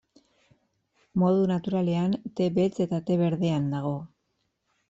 Modu naturalean te beltz eta te berdean dago.